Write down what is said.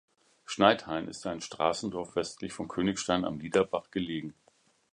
Schneidhain ist ein Straßendorf westlich von Königstein am Liederbach gelegen.